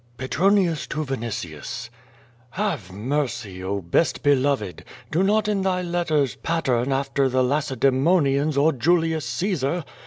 Petronius to Vinitius: Have mercy, oh, best beloved! Do not in thy letters pat tern after the Tjacedemonians or Julius Caesar!